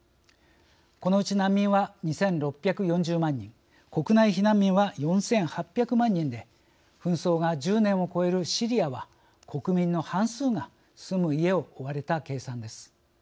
このうち難民は２６４０万人国内避難民は４８００万人で紛争が１０年を超えるシリアは国民の半数が住む家を追われた計算です。